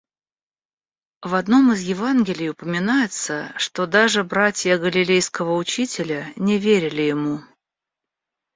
В одном из Евангелий упоминается, что даже братья Галилейского учителя не верили ему.